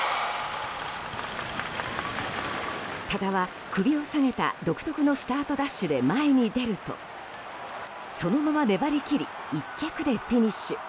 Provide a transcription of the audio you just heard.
多田は、首を下げた独特のスタートダッシュで前に出るとそのまま粘り切り１着でフィニッシュ。